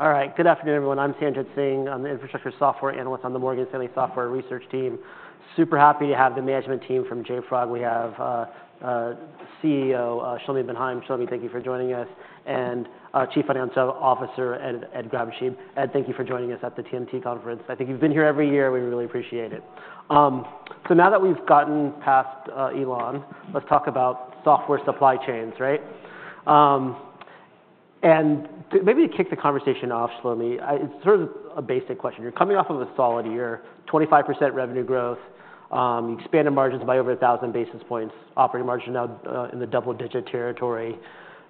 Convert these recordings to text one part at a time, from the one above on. All right. Good afternoon, everyone. I'm Sanjit Singh. I'm the Infrastructure Software Analyst on the Morgan Stanley Software Research Team. Super happy to have the management team from JFrog. We have CEO Shlomi Ben Haim. Shlomi, thank you for joining us. Chief Financial Officer Ed Grabscheid. Ed, thank you for joining us at the TMT Conference. I think you've been here every year. We really appreciate it. Now that we've gotten past Elon, let's talk about software supply chains, right? Maybe to kick the conversation off, Shlomi, it's sort of a basic question. You're coming off of a solid year, 25% revenue growth. You expanded margins by over 1,000 basis points, operating margins now in the double-digit territory.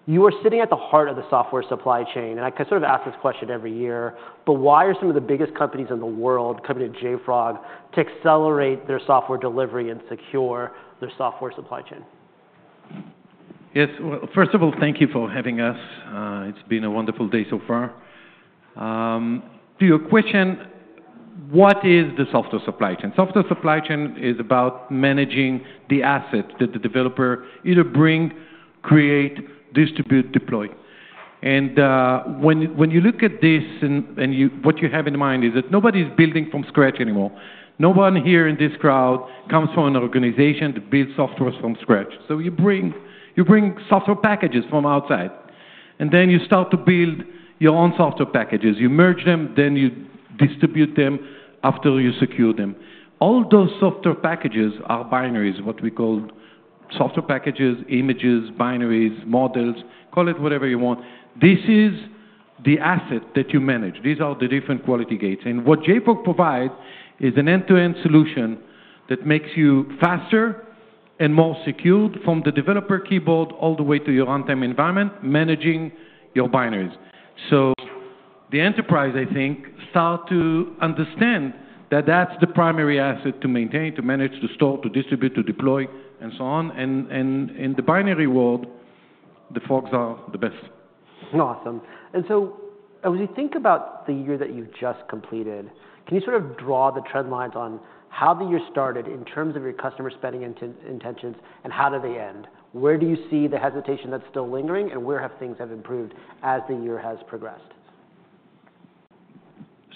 You are sitting at the heart of the software supply chain. I sort of ask this question every year. Why are some of the biggest companies in the world coming to JFrog to accelerate their software delivery and secure their software supply chain? Yes. Well, first of all, thank you for having us. It's been a wonderful day so far. To your question, what is the software supply chain? Software supply chain is about managing the assets that the developer either brings, creates, distributes, deploys. When you look at this, and what you have in mind is that nobody's building from scratch anymore. No one here in this crowd comes from an organization to build software from scratch. So you bring software packages from outside. And then you start to build your own software packages. You merge them. Then you distribute them after you secure them. All those software packages are binaries, what we call software packages, images, binaries, models. Call it whatever you want. This is the asset that you manage. These are the different quality gates. What JFrog provides is an end-to-end solution that makes you faster and more secured from the developer keyboard all the way to your runtime environment, managing your binaries. The enterprise, I think, starts to understand that that's the primary asset to maintain, to manage, to store, to distribute, to deploy, and so on. In the binary world, the folks are the best. Awesome. And so as we think about the year that you just completed, can you sort of draw the trend lines on how the year started in terms of your customer spending intentions and how did they end? Where do you see the hesitation that's still lingering? And where have things improved as the year has progressed?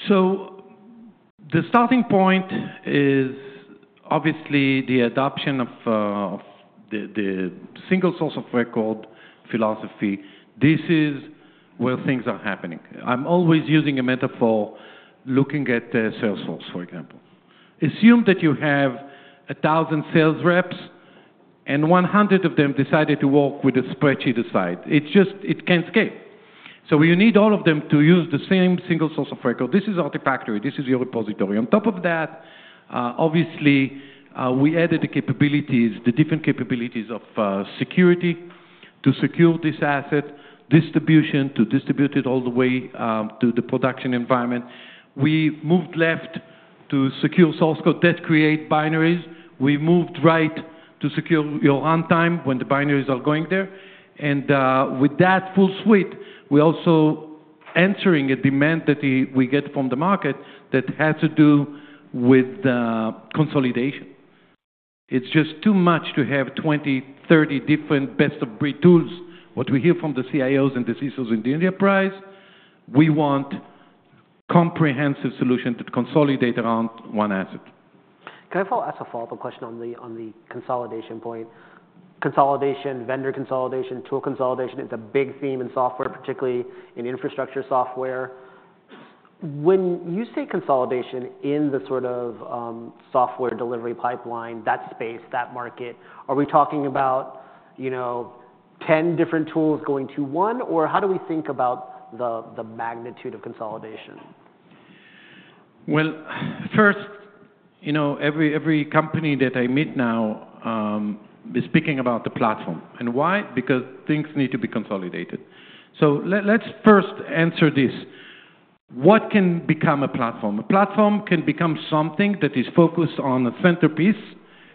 So the starting point is obviously the adoption of the single source of record philosophy. This is where things are happening. I'm always using a metaphor looking at Salesforce, for example. Assume that you have 1,000 sales reps, and 100 sales reps of them decided to work with a spreadsheet aside. It can't scale. So you need all of them to use the same single source of record. This is Artifactory. This is your repository. On top of that, obviously, we added the different capabilities of security to secure this asset, distribution to distribute it all the way to the production environment. We moved left to secure source code that creates binaries. We moved right to secure your runtime when the binaries are going there. And with that full suite, we're also answering a demand that we get from the market that has to do with consolidation. It's just too much to have 20, 30 different best-of-breed tools. What we hear from the CIOs and the CISOs in the enterprise, we want a comprehensive solution to consolidate around one asset. Can I ask a follow-up question on the consolidation point? Vendor consolidation, tool consolidation is a big theme in software, particularly in infrastructure software. When you say consolidation in the sort of software delivery pipeline, that space, that market, are we talking about 10 different tools going to one? Or how do we think about the magnitude of consolidation? Well, first, every company that I meet now is speaking about the platform. And why? Because things need to be consolidated. So let's first answer this. What can become a platform? A platform can become something that is focused on a centerpiece.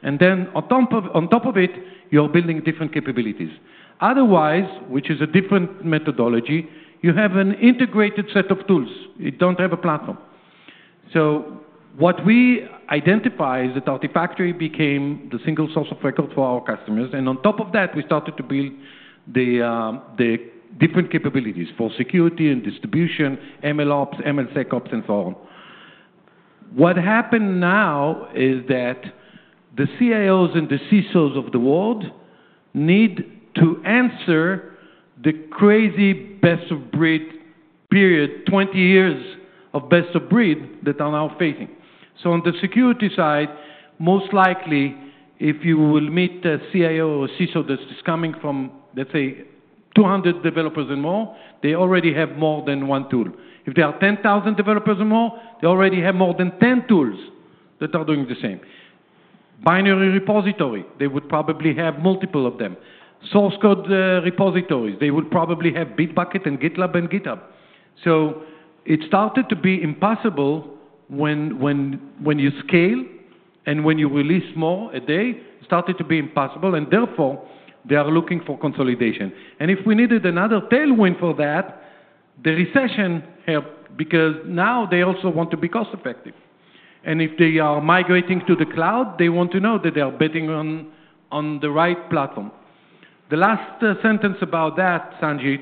And then on top of it, you're building different capabilities. Otherwise, which is a different methodology, you have an integrated set of tools. You don't have a platform. So what we identify is that Artifactory became the single source of record for our customers. And on top of that, we started to build the different capabilities for security and distribution, MLOps, MLSecOps, and so on. What happened now is that the CIOs and the CISOs of the world need to answer the crazy best-of-breed period, 20 years of best-of-breed that are now facing. On the security side, most likely, if you will meet a CIO or CISO that's coming from, let's say, 200 developers and more, they already have more than one tool. If there are 10,000 developers and more, they already have more than 10 tools that are doing the same. Binary repository, they would probably have multiple of them. Source code repositories, they would probably have Bitbucket and GitLab and GitHub. So it started to be impossible when you scale and when you release more a day. It started to be impossible. Therefore, they are looking for consolidation. If we needed another tailwind for that, the recession helped because now they also want to be cost-effective. If they are migrating to the cloud, they want to know that they are betting on the right platform. The last sentence about that, Sanjit,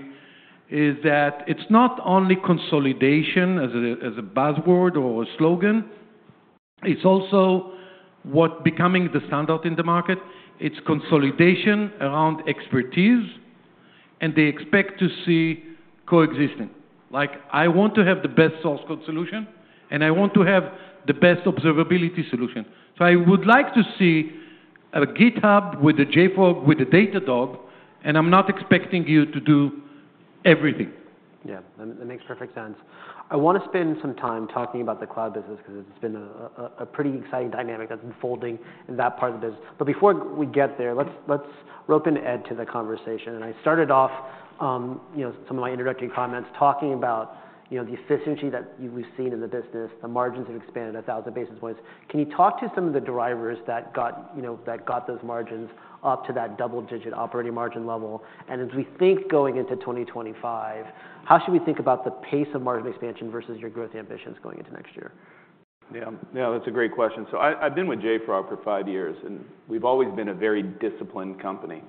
is that it's not only consolidation as a buzzword or a slogan. It's also becoming the standard in the market. It's consolidation around expertise. And they expect to see coexisting. I want to have the best source code solution. And I want to have the best observability solution. So I would like to see a GitHub with a JFrog with a Datadog. And I'm not expecting you to do everything. Yeah. That makes perfect sense. I want to spend some time talking about the cloud business because it's been a pretty exciting dynamic that's unfolding in that part of the business. But before we get there, let's rope in Ed to the conversation. I started off some of my introductory comments talking about the efficiency that we've seen in the business, the margins have expanded 1,000 basis points. Can you talk to some of the drivers that got those margins up to that double-digit operating margin level? And as we think going into 2025, how should we think about the pace of margin expansion versus your growth ambitions going into next year? Yeah. Yeah. That's a great question. So I've been with JFrog for five years. And we've always been a very disciplined company.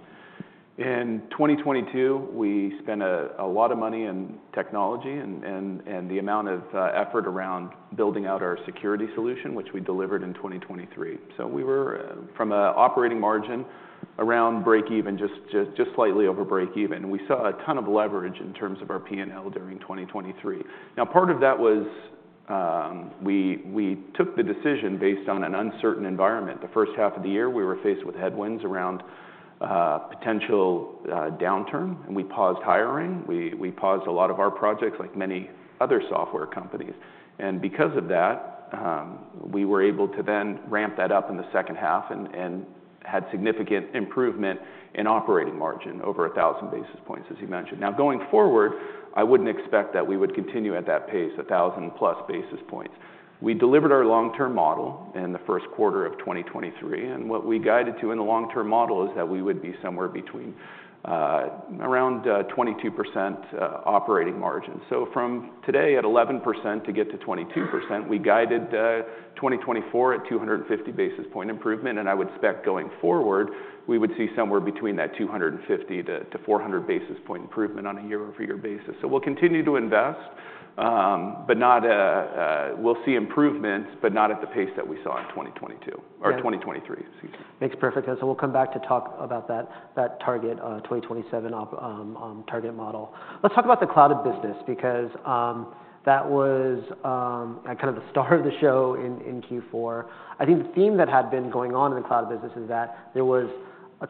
In 2022, we spent a lot of money on technology and the amount of effort around building out our security solution, which we delivered in 2023. So we were from an operating margin around break-even, just slightly over break-even. And we saw a ton of leverage in terms of our P&L during 2023. Now, part of that was we took the decision based on an uncertain environment. The first half of the year, we were faced with headwinds around potential downturn. And we paused hiring. We paused a lot of our projects, like many other software companies. And because of that, we were able to then ramp that up in the second half and had significant improvement in operating margin over 1,000 basis points, as you mentioned. Now, going forward, I wouldn't expect that we would continue at that pace, 1,000+ basis points. We delivered our long-term model in the first quarter of 2023. And what we guided to in the long-term model is that we would be somewhere around 22% operating margin. So from today at 11% to get to 22%, we guided 2024 at 250 basis point improvement. And I would expect going forward, we would see somewhere between that 250 basis point-400 basis point improvement on a year-over-year basis. So we'll continue to invest. We'll see improvements, but not at the pace that we saw in 2022 or 2023, excuse me. Makes perfect sense. So we'll come back to talk about that target 2027 target model. Let's talk about the cloud business because that was kind of the star of the show in Q4. I think the theme that had been going on in the cloud business is that there was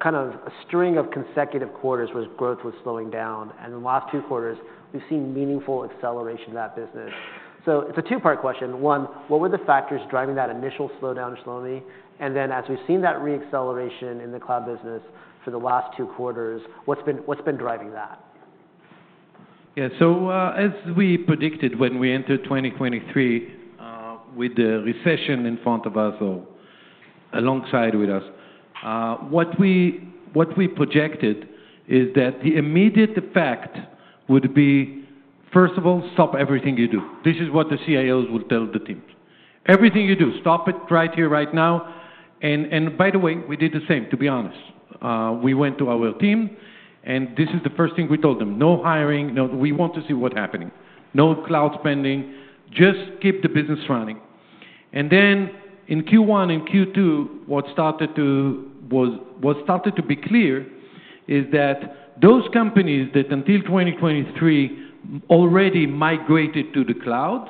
kind of a string of consecutive quarters where growth was slowing down. And in the last two quarters, we've seen meaningful acceleration in that business. So it's a two-part question. One, what were the factors driving that initial slowdown, Shlomi? And then, as we've seen that re-acceleration in the cloud business for the last two quarters, what's been driving that? Yeah. So as we predicted when we entered 2023 with the recession in front of us, alongside with us, what we projected is that the immediate effect would be, first of all, stop everything you do. This is what the CIOs will tell the teams. Everything you do, stop it right here, right now. And by the way, we did the same, to be honest. We went to our team. And this is the first thing we told them. No hiring. We want to see what's happening. No cloud spending. Just keep the business running. And then in Q1 and Q2, what started to be clear is that those companies that until 2023 already migrated to the cloud,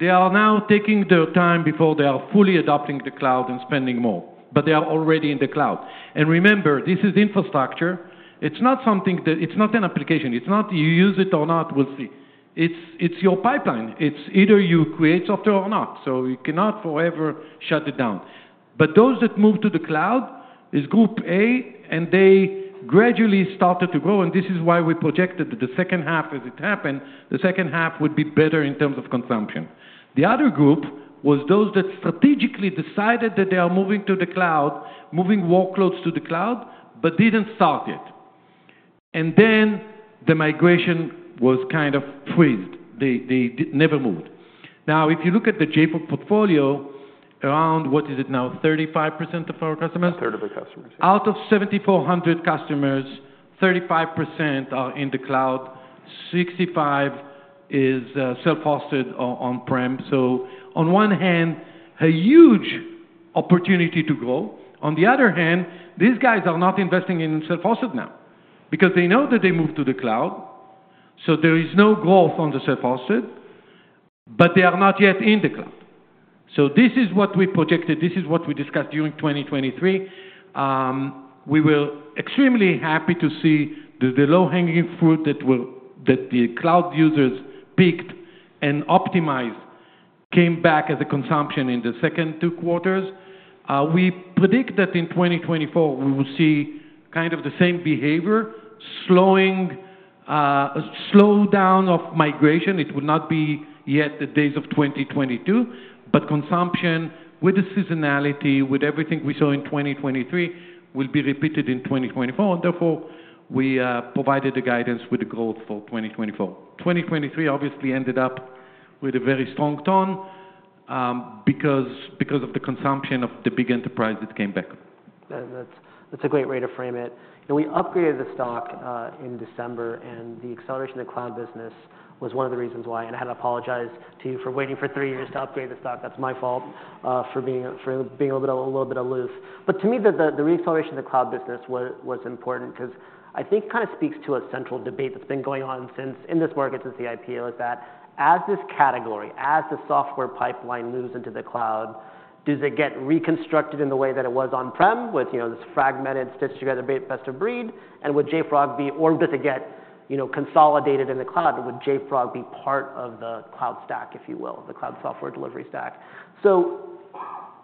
they are now taking their time before they are fully adopting the cloud and spending more. But they are already in the cloud. And remember, this is infrastructure. It's not an application. It's not you use it or not, we'll see. It's your pipeline. It's either you create software or not. So you cannot forever shut it down. But those that moved to the cloud is Group A, and they gradually started to grow. And this is why we projected that the second half, as it happened, the second half would be better in terms of consumption. The other group was those that strategically decided that they are moving to the cloud, moving workloads to the cloud, but didn't start yet. And then the migration was kind of froze. They never moved. Now, if you look at the JFrog portfolio around what is it now, 35% of our customers? A third of the customers, yeah. Out of 7,400 customers, 35% are in the cloud. 65% is self-hosted on-prem. So on one hand, a huge opportunity to grow. On the other hand, these guys are not investing in self-hosted now because they know that they moved to the cloud. So there is no growth on the self-hosted. But they are not yet in the cloud. So this is what we projected. This is what we discussed during 2023. We were extremely happy to see that the low-hanging fruit that the cloud users picked and optimized came back as a consumption in the second two quarters. We predict that in 2024, we will see kind of the same behavior, a slowdown of migration. It will not be yet the days of 2022. But consumption with the seasonality, with everything we saw in 2023, will be repeated in 2024. Therefore, we provided the guidance with the growth for 2024. 2023 obviously ended up with a very strong tone because of the consumption of the big enterprise that came back. That's a great way to frame it. We upgraded the stock in December. And the acceleration of the cloud business was one of the reasons why. And I had to apologize to you for waiting for three years to upgrade the stock. That's my fault for being a little bit aloof. But to me, the re-acceleration of the cloud business was important because I think it kind of speaks to a central debate that's been going on in this market since the IPO, is that as this category, as the software pipeline moves into the cloud, does it get reconstructed in the way that it was on-prem with this fragmented, stitched together best-of-breed? And would JFrog be, or does it get consolidated in the cloud? And would JFrog be part of the cloud stack, if you will, the cloud software delivery stack?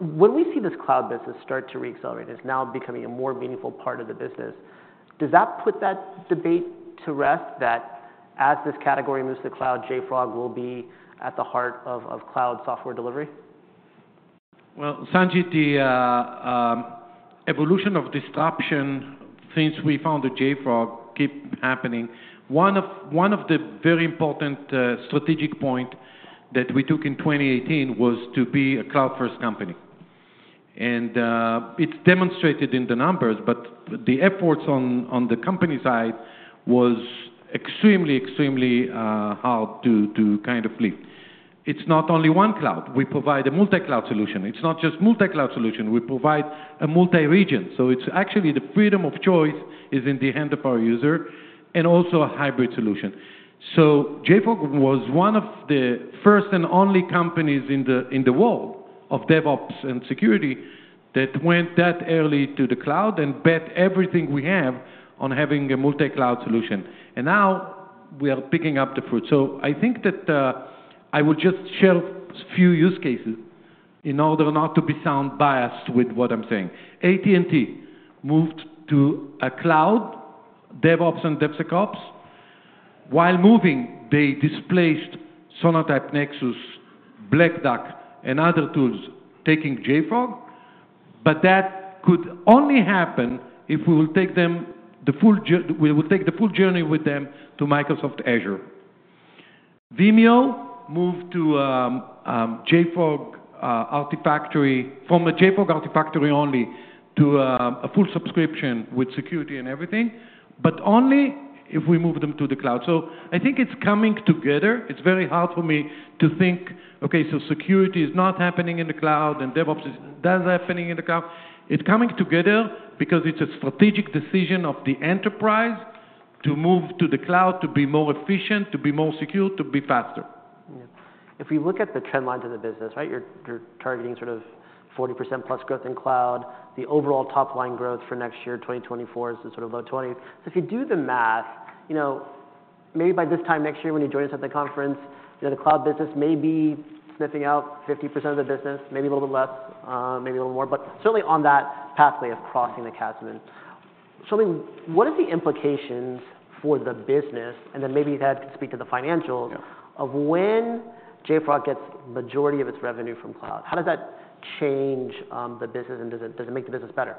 When we see this cloud business start to re-accelerate, it's now becoming a more meaningful part of the business. Does that put that debate to rest that as this category moves to the cloud, JFrog will be at the heart of cloud software delivery? Well, Sanjit, the evolution of disruption since we founded JFrog keeps happening. One of the very important strategic points that we took in 2018 was to be a cloud-first company. And it's demonstrated in the numbers. But the efforts on the company side were extremely, extremely hard to kind of free. It's not only one cloud. We provide a multi-cloud solution. It's not just multi-cloud solution. We provide a multi-region. So it's actually the freedom of choice is in the hand of our user and also a hybrid solution. So JFrog was one of the first and only companies in the world of DevOps and security that went that early to the cloud and bet everything we have on having a multi-cloud solution. And now, we are picking up the fruit. So I think that I will just share a few use cases in order not to sound biased with what I'm saying. AT&T moved to a cloud, DevOps and DevSecOps. While moving, they displaced Sonatype Nexus, Black Duck, and other tools, taking JFrog. But that could only happen if we will take them the full journey with them to Microsoft Azure. Vimeo moved to JFrog Artifactory from a JFrog Artifactory only to a full subscription with security and everything, but only if we move them to the cloud. So I think it's coming together. It's very hard for me to think, OK, so security is not happening in the cloud. And DevOps does happen in the cloud. It's coming together because it's a strategic decision of the enterprise to move to the cloud, to be more efficient, to be more secure, to be faster. Yeah. If we look at the trend line to the business, right, you're targeting sort of 40%-plus growth in cloud. The overall top-line growth for next year, 2024, is sort of low 20%. So if you do the math, maybe by this time next year when you join us at the conference, the cloud business may be sniffing out 50% of the business, maybe a little bit less, maybe a little more, but certainly on that pathway of crossing the chasm. Show me, what are the implications for the business? And then maybe that could speak to the financials of when JFrog gets the majority of its revenue from cloud? How does that change the business? And does it make the business better?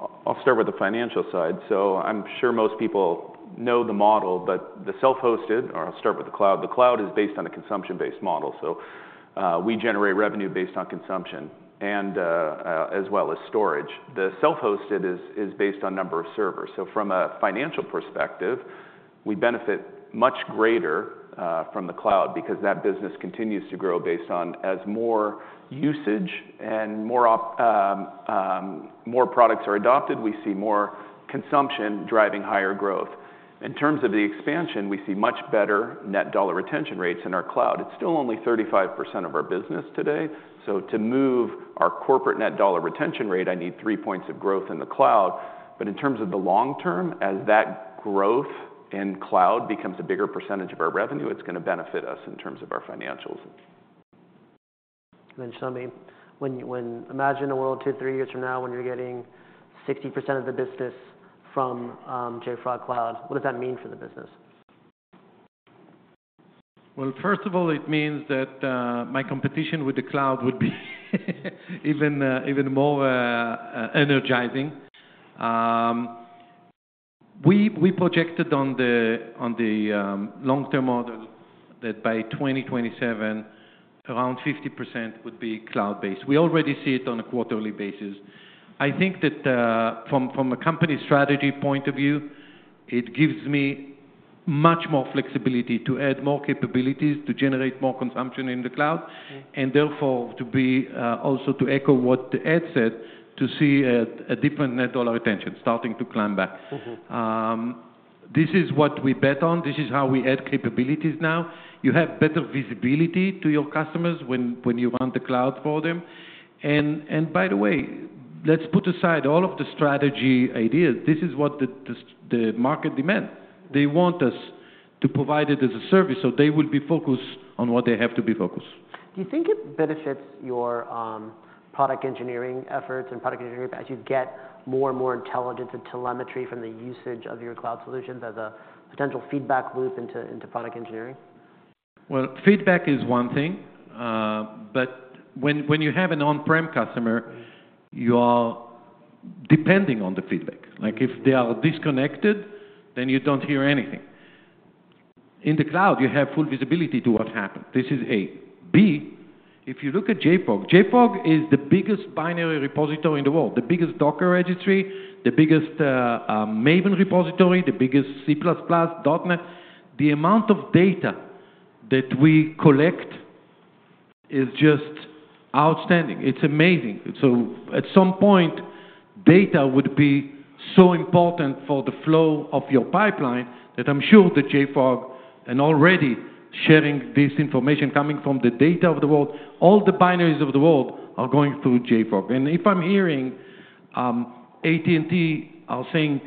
I'll start with the financial side. So I'm sure most people know the model. But the self-hosted, or I'll start with the cloud, the cloud is based on a consumption-based model. So we generate revenue based on consumption as well as storage. The self-hosted is based on the number of servers. So from a financial perspective, we benefit much greater from the cloud because that business continues to grow based on as more usage and more products are adopted, we see more consumption driving higher growth. In terms of the expansion, we see much better net dollar retention rates in our cloud. It's still only 35% of our business today. So to move our corporate net dollar retention rate, I need three points of growth in the cloud. But in terms of the long term, as that growth in cloud becomes a bigger percentage of our revenue, it's going to benefit us in terms of our financials. And then, Shlomi, imagine a world two to three years from now when you're getting 60% of the business from JFrog Cloud. What does that mean for the business? Well, first of all, it means that my competition with the cloud would be even more energizing. We projected on the long-term model that by 2027, around 50% would be cloud-based. We already see it on a quarterly basis. I think that from a company strategy point of view, it gives me much more flexibility to add more capabilities, to generate more consumption in the cloud, and therefore also to echo what Ed said, to see a different net dollar retention starting to climb back. This is what we bet on. This is how we add capabilities now. You have better visibility to your customers when you run the cloud for them. And by the way, let's put aside all of the strategy ideas. This is what the market demand. They want us to provide it as a service. They will be focused on what they have to be focused. Do you think it benefits your product engineering efforts and product engineering as you get more and more intelligence and telemetry from the usage of your cloud solutions as a potential feedback loop into product engineering? Well, feedback is one thing. But when you have an on-prem customer, you are depending on the feedback. If they are disconnected, then you don't hear anything. In the cloud, you have full visibility to what happened. This is A. B, if you look at JFrog, JFrog is the biggest binary repository in the world, the biggest Docker registry, the biggest Maven repository, the biggest C++, .NET. The amount of data that we collect is just outstanding. It's amazing. So at some point, data would be so important for the flow of your pipeline that I'm sure that JFrog and already sharing this information coming from the data of the world, all the binaries of the world are going through JFrog. If I'm hearing AT&T are saying,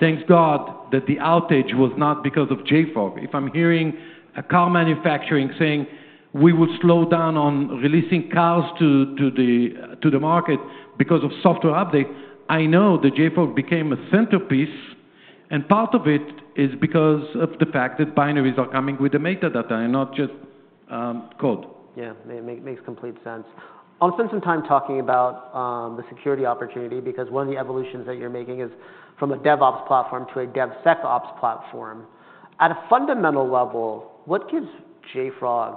"thank God that the outage was not because of JFrog," if I'm hearing a car manufacturer saying, "we will slow down on releasing cars to the market because of software updates," I know that JFrog became a centerpiece. And part of it is because of the fact that binaries are coming with the metadata and not just code. Yeah. It makes complete sense. I want to spend some time talking about the security opportunity because one of the evolutions that you're making is from a DevOps platform to a DevSecOps platform. At a fundamental level, what gives JFrog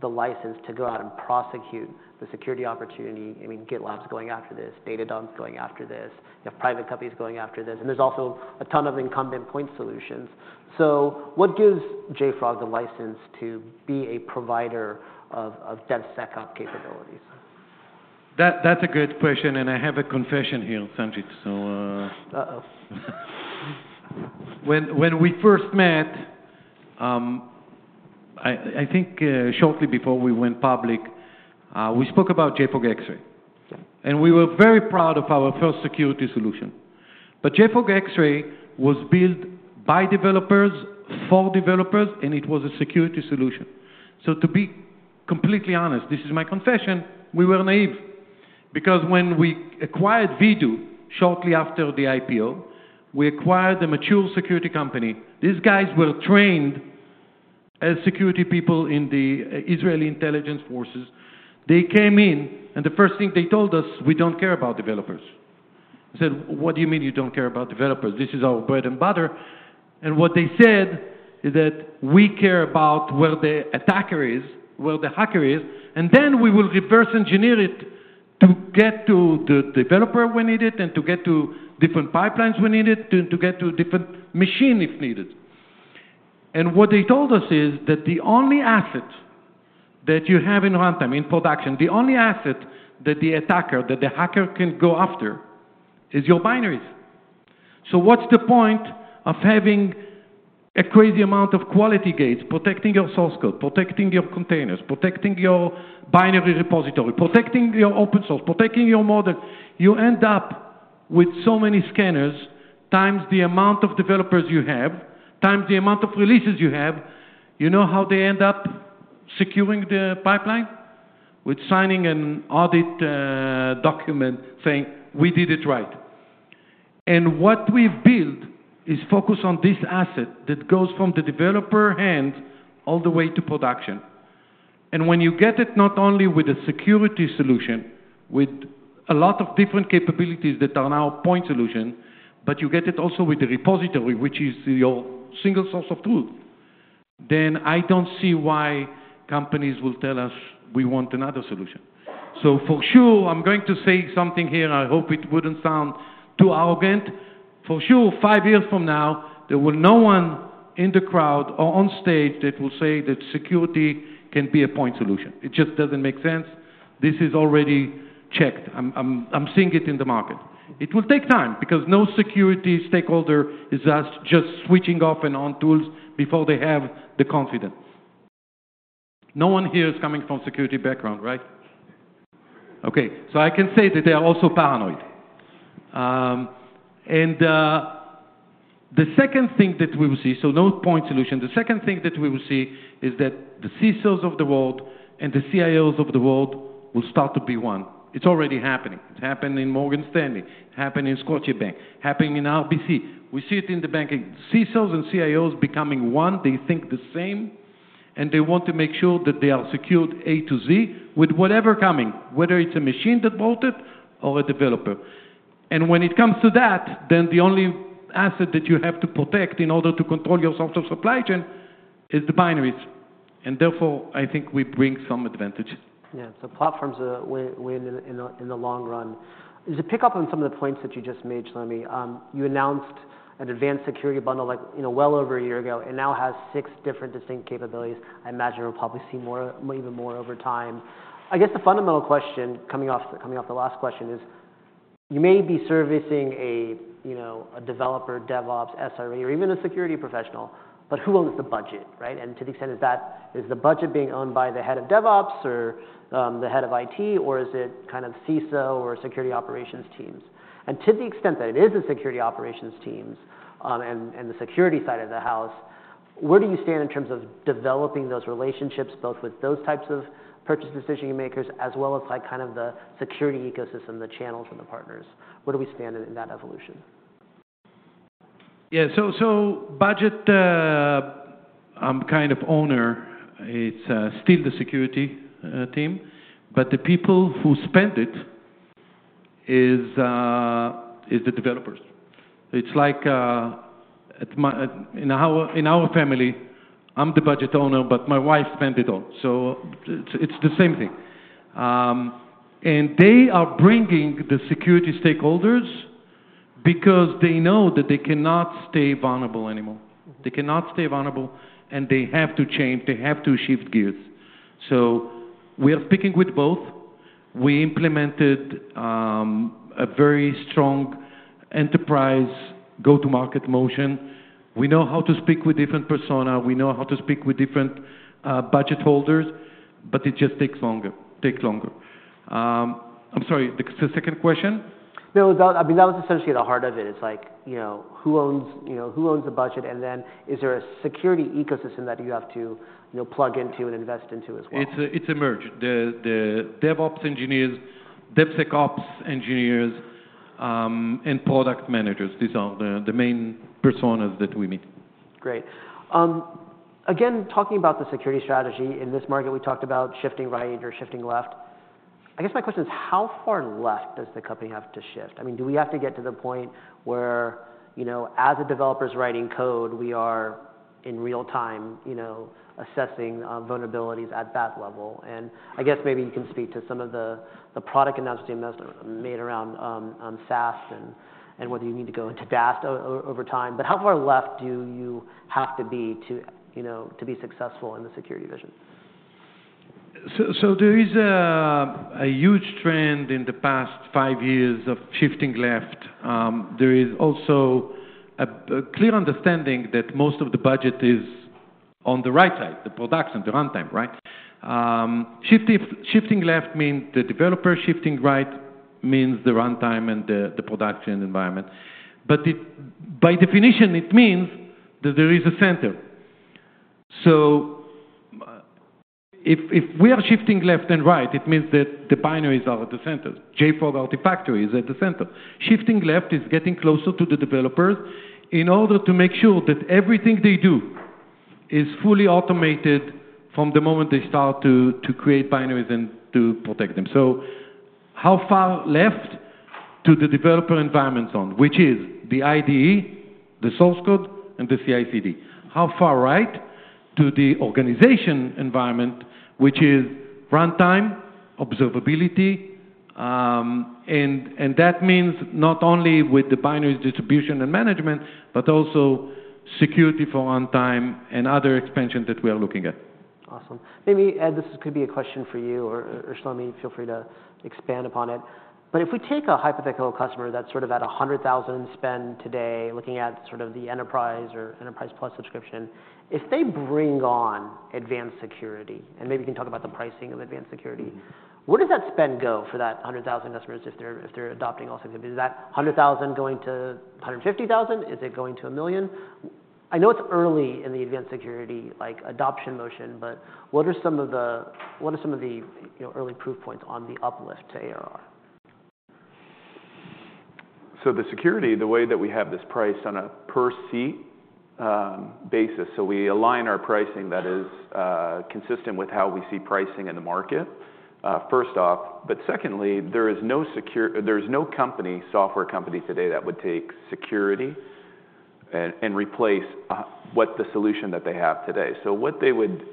the license to go out and prosecute the security opportunity? I mean, GitLab's going after this, Datadog's going after this. You have private companies going after this. And there's also a ton of incumbent point solutions. So what gives JFrog the license to be a provider of DevSecOps capabilities? That's a good question. I have a confession here, Sanjit. So. Uh-oh. When we first met, I think shortly before we went public, we spoke about JFrog Xray. And we were very proud of our first security solution. But JFrog Xray was built by developers for developers. And it was a security solution. So to be completely honest, this is my confession, we were naive because when we acquired Vdoo shortly after the IPO, we acquired a mature security company. These guys were trained as security people in the Israeli intelligence forces. They came in. And the first thing they told us, we don't care about developers. I said, what do you mean you don't care about developers? This is our bread and butter. And what they said is that we care about where the attacker is, where the hacker is. And then we will reverse engineer it to get to the developer we need it and to get to different pipelines we need it, to get to a different machine if needed. And what they told us is that the only asset that you have in runtime, in production, the only asset that the attacker, that the hacker can go after is your binaries. So what's the point of having a crazy amount of quality gates protecting your source code, protecting your containers, protecting your binary repository, protecting your open source, protecting your model? You end up with so many scanners times the amount of developers you have times the amount of releases you have. You know how they end up securing the pipeline with signing an audit document saying, we did it right. What we've built is focused on this asset that goes from the developer's hand all the way to production. When you get it not only with a security solution with a lot of different capabilities that are now point solutions, but you get it also with the repository, which is your single source of truth, then I don't see why companies will tell us we want another solution. For sure, I'm going to say something here. I hope it wouldn't sound too arrogant. For sure, five years from now, there will be no one in the crowd or on stage that will say that security can be a point solution. It just doesn't make sense. This is already checked. I'm seeing it in the market. It will take time because no security stakeholder is just switching off and on tools before they have the confidence. No one here is coming from a security background, right? OK. So I can say that they are also paranoid. And the second thing that we will see, so no point solution, the second thing that we will see is that the CISOs of the world and the CIOs of the world will start to be one. It's already happening. It's happened in Morgan Stanley, happening in Scotiabank, happening in RBC. We see it in the banking. CISOs and CIOs becoming one. They think the same. And they want to make sure that they are secured A-Z with whatever coming, whether it's a machine that bought it or a developer. And when it comes to that, then the only asset that you have to protect in order to control your software supply chain is the binaries. And therefore, I think we bring some advantage. Yeah. So platforms win in the long run. As a pickup on some of the points that you just made, Shlomi, you announced an Advanced Security bundle well over a year ago and now has six different distinct capabilities. I imagine we'll probably see even more over time. I guess the fundamental question coming off the last question is you may be servicing a developer, DevOps, SRE, or even a security professional. But who owns the budget? And to the extent, is the budget being owned by the head of DevOps or the head of IT? Or is it kind of CISO or security operations teams? To the extent that it is the security operations teams and the security side of the house, where do you stand in terms of developing those relationships both with those types of purchase decision makers as well as kind of the security ecosystem, the channels, and the partners? Where do we stand in that evolution? Yeah. So budget, I'm kind of owner. It's still the security team. But the people who spend it are the developers. It's like in our family, I'm the budget owner. But my wife spends it all. So it's the same thing. And they are bringing the security stakeholders because they know that they cannot stay vulnerable anymore. They cannot stay vulnerable. And they have to change. They have to shift gears. So we are speaking with both. We implemented a very strong enterprise go-to-market motion. We know how to speak with different personas. We know how to speak with different budget holders. But it just takes longer, takes longer. I'm sorry, the second question? No. I mean, that was essentially the heart of it. It's like, who owns the budget? And then is there a security ecosystem that you have to plug into and invest into as well? It's a merge. The DevOps engineers, DevSecOps engineers, and product managers, these are the main personas that we meet. Great. Again, talking about the security strategy in this market, we talked about shifting right or shifting left. I guess my question is, how far left does the company have to shift? I mean, do we have to get to the point where, as a developer is writing code, we are in real time assessing vulnerabilities at that level? And I guess maybe you can speak to some of the product announcements you made around SAST and whether you need to go into DAST over time. But how far left do you have to be to be successful in the security vision? So there is a huge trend in the past five years of shifting left. There is also a clear understanding that most of the budget is on the right side, the production and the runtime, right? Shifting left means the developer. Shifting right means the runtime and the production environment. But by definition, it means that there is a center. So if we are shifting left and right, it means that the binaries are at the center. JFrog Artifactory is at the center. Shifting left is getting closer to the developers in order to make sure that everything they do is fully automated from the moment they start to create binaries and to protect them. So how far left to the developer environments on, which is the IDE, the source code, and the CI/CD? How far right to the organization environment, which is runtime, observability? That means not only with the binary distribution and management but also security for runtime and other expansion that we are looking at. Awesome. Maybe, Ed, this could be a question for you. Or Shlomi, feel free to expand upon it. But if we take a hypothetical customer that's sort of at $100,000 in spend today looking at sort of the enterprise or enterprise-plus subscription, if they bring on advanced security and maybe you can talk about the pricing of advanced security, where does that spend go for that 100,000 customers if they're adopting all security? Is that $100,000 going to $150,000? Is it going to $1 million? I know it's early in the advanced security adoption motion. But what are some of the early proof points on the uplift to ARR? So the security, the way that we have this priced on a per-seat basis so we align our pricing that is consistent with how we see pricing in the market, first off. But secondly, there is no company, software company today that would take security and replace what the solution that they have today. So what they would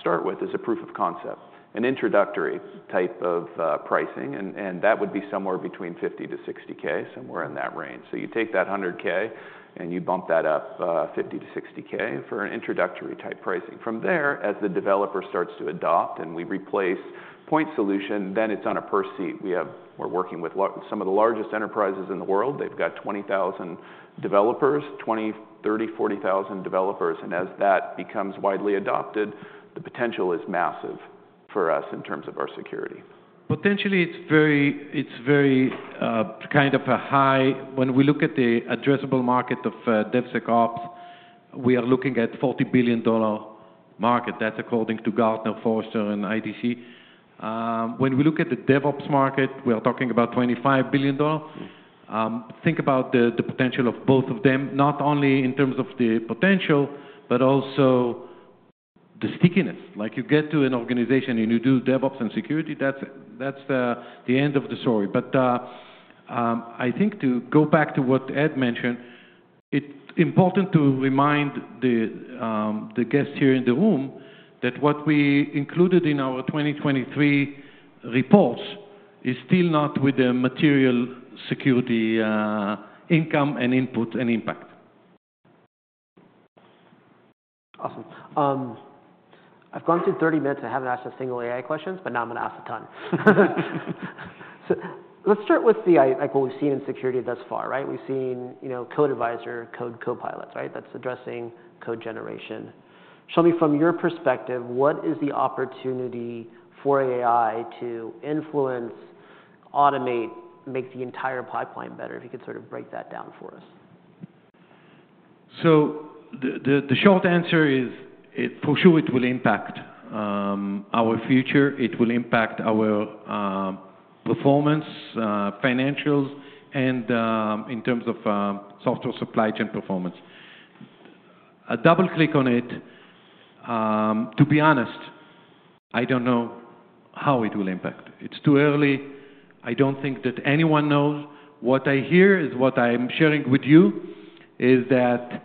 start with is a proof of concept, an introductory type of pricing. And that would be somewhere between $50,000-$60,000, somewhere in that range. So you take that $100,000 and you bump that up $50,000-$60,000 for an introductory type pricing. From there, as the developer starts to adopt and we replace point solution, then it's on a per-seat. We're working with some of the largest enterprises in the world. They've got 20,000 developers, 30,000 developers, 40,000 developers. As that becomes widely adopted, the potential is massive for us in terms of our security. Potentially, it's very kind of a high when we look at the addressable market of DevSecOps, we are looking at a $40 billion market. That's according to Gartner, Forrester, and IDC. When we look at the DevOps market, we are talking about $25 billion. Think about the potential of both of them, not only in terms of the potential but also the stickiness. You get to an organization and you do DevOps and security. That's the end of the story. But I think to go back to what Ed mentioned, it's important to remind the guests here in the room that what we included in our 2023 reports is still not with the material security income and input and impact. Awesome. I've gone through 30 minutes. I haven't asked a single AI question. But now I'm going to ask a ton. So let's start with what we've seen in security thus far, right? We've seen Code Advisor, Code Copilot, right? That's addressing code generation. Shlomi, from your perspective, what is the opportunity for AI to influence, automate, make the entire pipeline better? If you could sort of break that down for us. So the short answer is, for sure, it will impact our future. It will impact our performance, financials, and in terms of software supply chain performance. A double click on it, to be honest, I don't know how it will impact. It's too early. I don't think that anyone knows. What I hear is what I'm sharing with you is that,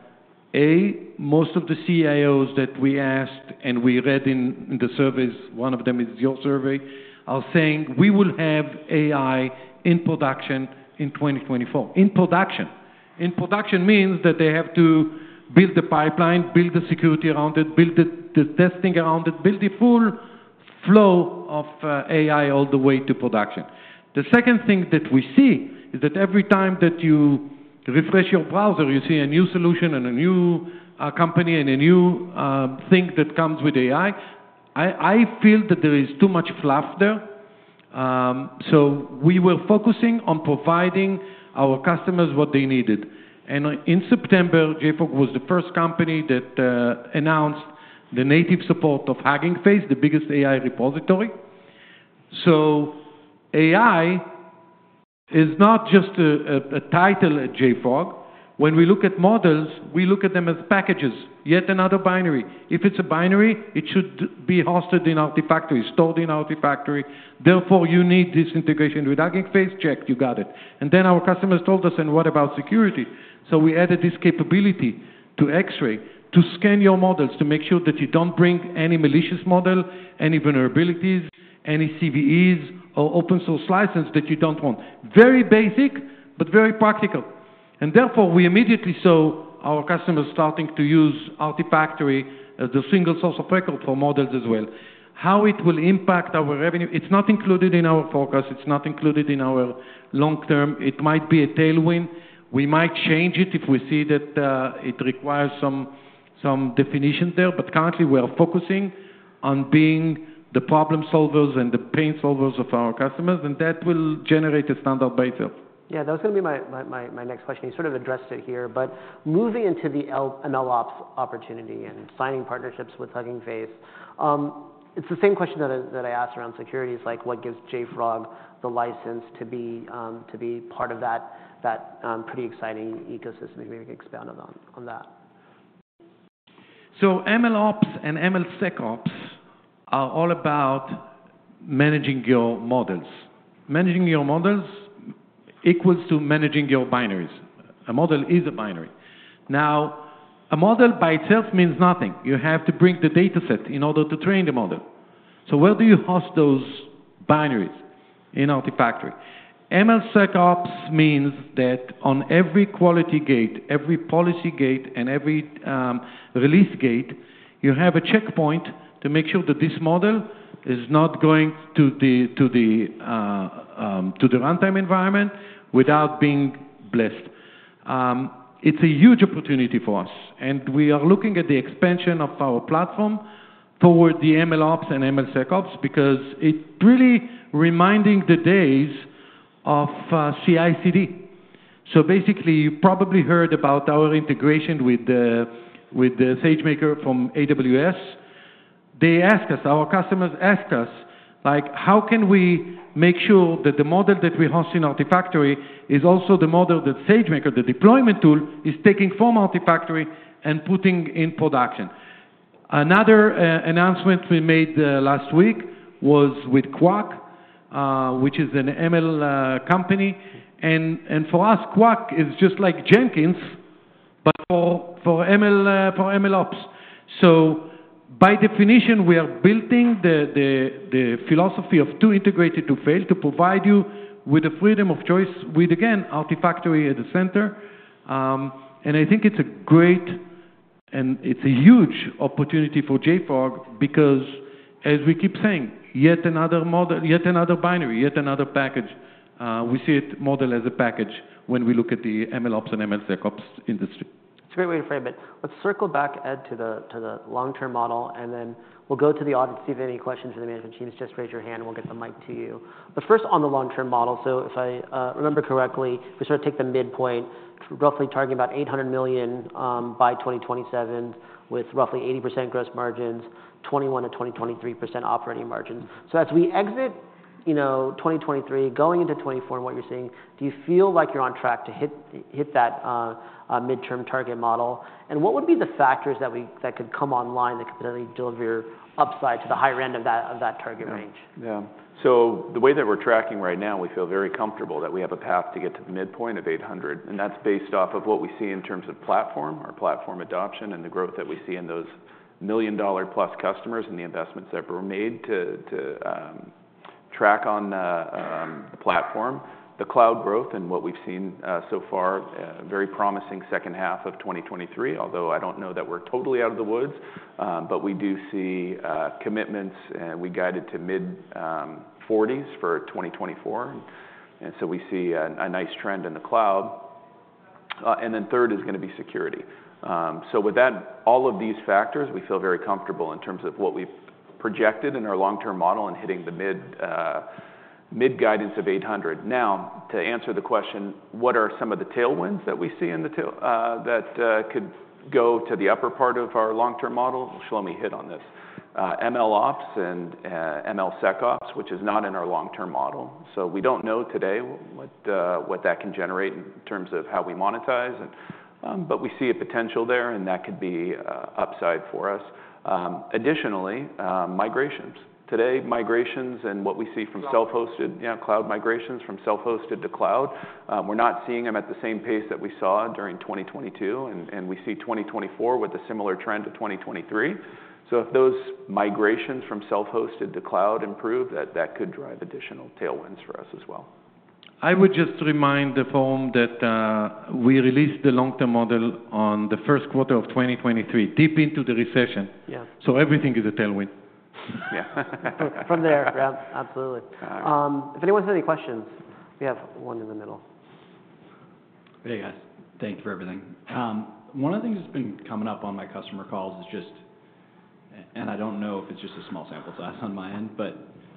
A, most of the CIOs that we asked and we read in the surveys one of them is your survey are saying, we will have AI in production in 2024, in production. In production means that they have to build the pipeline, build the security around it, build the testing around it, build the full flow of AI all the way to production. The second thing that we see is that every time that you refresh your browser, you see a new solution and a new company and a new thing that comes with AI. I feel that there is too much fluff there. So we were focusing on providing our customers what they needed. And in September, JFrog was the first company that announced the native support of Hugging Face, the biggest AI repository. So AI is not just a title at JFrog. When we look at models, we look at them as packages, yet another binary. If it's a binary, it should be hosted in Artifactory, stored in Artifactory. Therefore, you need this integration with Hugging Face. Checked. You got it. And then our customers told us, and what about security? So we added this capability to Xray to scan your models to make sure that you don't bring any malicious model, any vulnerabilities, any CVEs, or open source license that you don't want. Very basic but very practical. And therefore, we immediately saw our customers starting to use Artifactory as the single source of record for models as well, how it will impact our revenue. It's not included in our forecast. It's not included in our long term. It might be a tailwind. We might change it if we see that it requires some definition there. But currently, we are focusing on being the problem solvers and the pain solvers of our customers. And that will generate a standard by itself. Yeah. That was going to be my next question. You sort of addressed it here. But moving into the MLOps opportunity and signing partnerships with Hugging Face, it's the same question that I asked around security. It's like, what gives JFrog the license to be part of that pretty exciting ecosystem? If maybe we can expound on that. So MLOps and MLSecOps are all about managing your models. Managing your models equals to managing your binaries. A model is a binary. Now, a model by itself means nothing. You have to bring the data set in order to train the model. So where do you host those binaries? In Artifactory. MLSecOps means that on every quality gate, every policy gate, and every release gate, you have a checkpoint to make sure that this model is not going to the runtime environment without being blessed. It's a huge opportunity for us. And we are looking at the expansion of our platform toward the MLOps and MLSecOps because it's really reminding the days of CI/CD. So basically, you probably heard about our integration with SageMaker from AWS. They ask us, our customers ask us, like, how can we make sure that the model that we host in Artifactory is also the model that SageMaker, the deployment tool, is taking from Artifactory and putting in production? Another announcement we made last week was with Qwak, which is an ML company. And for us, Qwak is just like Jenkins but for MLOps. So by definition, we are building the philosophy of to integrate, to fail, to provide you with the freedom of choice with, again, Artifactory at the center. And I think it's a great and it's a huge opportunity for JFrog because, as we keep saying, yet another model, yet another binary, yet another package. We see the model as a package when we look at the MLOps and MLSecOps industry. It's a great way to frame it. Let's circle back, Ed, to the long-term model. Then we'll go to the audience. If you have any questions for the management teams, just raise your hand. We'll get the mic to you. But first, on the long-term model, so if I remember correctly, we sort of take the midpoint, roughly targeting about $800 million by 2027 with roughly 80% gross margins, 21%-23% operating margins. So as we exit 2023, going into 2024 and what you're seeing, do you feel like you're on track to hit that mid-term target model? And what would be the factors that could come online that could potentially deliver upside to the higher end of that target range? Yeah. The way that we're tracking right now, we feel very comfortable that we have a path to get to the midpoint of $800. That's based off of what we see in terms of platform, our platform adoption, and the growth that we see in those million-plus customers and the investments that were made to track on the platform, the cloud growth, and what we've seen so far, a very promising second half of 2023, although I don't know that we're totally out of the woods. We do see commitments. We guided to mid-40s for 2024. So we see a nice trend in the cloud. Then third is going to be security. With all of these factors, we feel very comfortable in terms of what we projected in our long-term model and hitting the mid guidance of $800. Now, to answer the question, what are some of the tailwinds that we see that could go to the upper part of our long-term model? Shlomi hit on this, MLOps and MLSecOps, which is not in our long-term model. So we don't know today what that can generate in terms of how we monetize. But we see a potential there. And that could be upside for us. Additionally, migrations. Today, migrations and what we see from self-hosted, yeah, cloud migrations from self-hosted to cloud, we're not seeing them at the same pace that we saw during 2022. And we see 2024 with a similar trend to 2023. So if those migrations from self-hosted to cloud improve, that could drive additional tailwinds for us as well. I would just remind the forum that we released the long-term model in the first quarter of 2023, deep into the recession. So everything is a tailwind. Yeah. From there, absolutely. If anyone has any questions, we have one in the middle. Hey, guys. Thank you for everything. One of the things that's been coming up on my customer calls is just, and I don't know if it's just a small sample size on my end.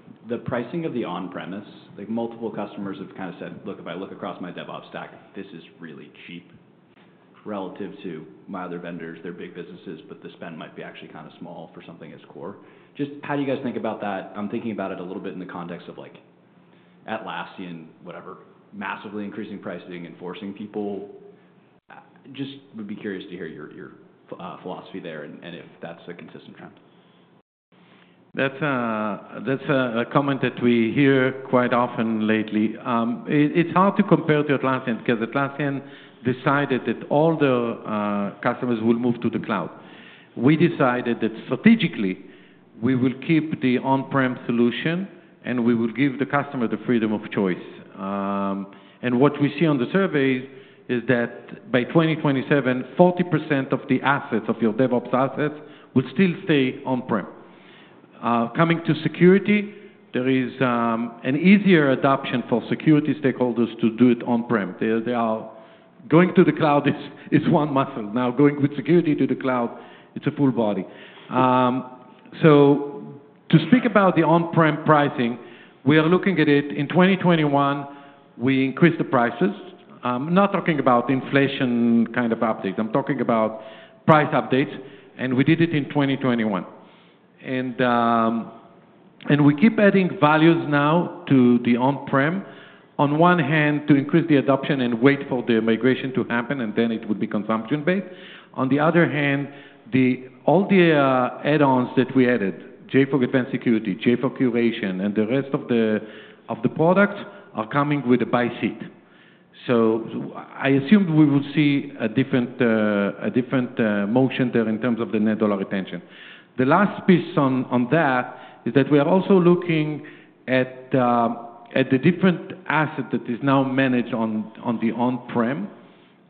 But the pricing of the on-premises, multiple customers have kind of said, look, if I look across my DevOps stack, this is really cheap relative to my other vendors. They're big businesses. But the spend might be actually kind of small for something as core. Just, how do you guys think about that? I'm thinking about it a little bit in the context of Atlassian, whatever, massively increasing pricing and forcing people. Just would be curious to hear your philosophy there and if that's a consistent trend. That's a comment that we hear quite often lately. It's hard to compare to Atlassian because Atlassian decided that all their customers will move to the cloud. We decided that strategically, we will keep the on-prem solution. And we will give the customer the freedom of choice. And what we see on the surveys is that by 2027, 40% of the assets of your DevOps assets will still stay on-prem. Coming to security, there is an easier adoption for security stakeholders to do it on-prem. Going to the cloud is one muscle. Now, going with security to the cloud, it's a full body. So to speak about the on-prem pricing, we are looking at it in 2021. We increased the prices, not talking about inflation kind of updates. I'm talking about price updates. And we did it in 2021. And we keep adding values now to the on-prem. On one hand, to increase the adoption and wait for the migration to happen. And then it would be consumption-based. On the other hand, all the add-ons that we added, JFrog Advanced Security, JFrog Curation, and the rest of the products are coming with a by seat. So I assumed we would see a different motion there in terms of the net dollar retention. The last piece on that is that we are also looking at the different asset that is now managed on the on-prem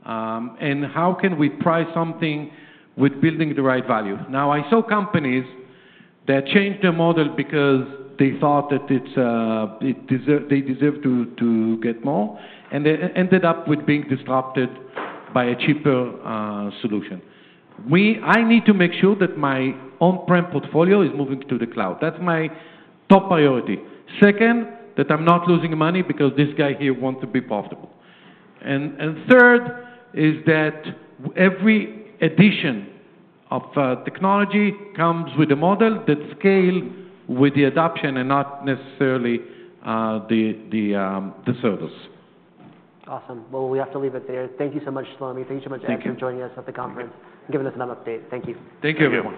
and how can we price something with building the right value. Now, I saw companies that changed their model because they thought that they deserve to get more and ended up with being disrupted by a cheaper solution. I need to make sure that my on-prem portfolio is moving to the cloud. That's my top priority. Second, that I'm not losing money because this guy here wants to be profitable. And third is that every addition of technology comes with a model that scales with the adoption and not necessarily the service. Awesome. Well, we have to leave it there. Thank you so much, Shlomi. Thank you so much, Ed, for joining us at the conference and giving us an update. Thank you. Thank you.